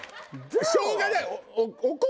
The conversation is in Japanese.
しょうがない。